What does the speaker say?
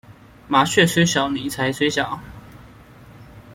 麻雀雖小，你才衰小